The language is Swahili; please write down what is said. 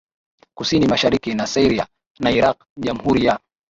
kusini mashariki na Syria na Iraq Jamhuri ya